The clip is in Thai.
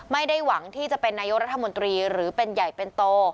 ไม่ได้หวังที่จะเป็นนายกรัฐมนตรีหรือเป็นใหญ่เป็นโต